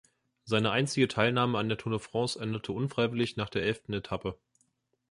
Seine einzige Teilnahme an der Tour de France endete unfreiwillig nach der elften Etappe.